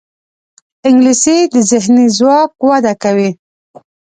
انګلیسي د ذهني ځواک وده کوي